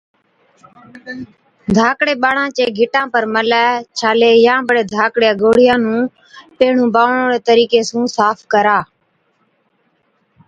ڌاڪڙي ٻاڙا چي گِٽا پر ملَي، ڇالي يان بڙي ڌاڪڙِيا گوڙهِيا نُون پيهڻُون باڻوڙي طريقي سُون صاف ڪرا